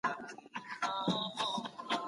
باطل تل د حق په وړاندي ماته خوړلې ده.